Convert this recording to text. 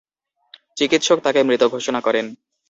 চিকিৎসক তাঁকে মৃত ঘোষণা করেন।